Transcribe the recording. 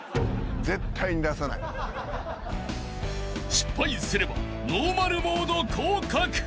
［失敗すればノーマルモード降格］